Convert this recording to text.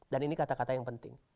dan ini kata kata yang penting